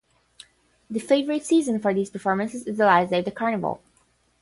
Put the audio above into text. The favorite season for these performances is the last day of the Carnival.